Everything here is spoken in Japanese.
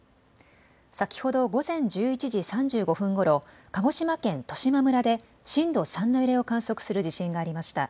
先ほど午前１１時３５分ごろ、鹿児島県十島村で震度３の揺れを観測する地震がありました。